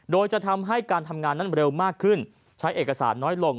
โดยจะทำให้การทำงานนั้นเร็วมากขึ้นใช้เอกสารน้อยลง